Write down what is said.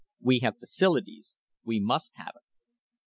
"We have facilities; we must have it.